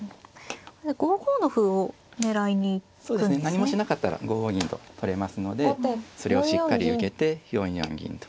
何もしなかったら５五銀と取れますのでそれをしっかり受けて４四銀と。